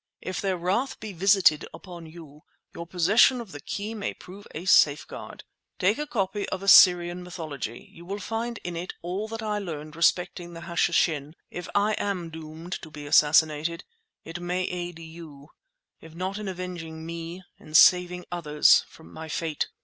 If their wrath be visited upon you, your possession of the key may prove a safeguard. Take the copy of "Assyrian Mythology." You will find in it all that I learned respecting the Hashishin. If I am doomed to be assassinated, it may aid you; if not in avenging me, in saving others from my fate.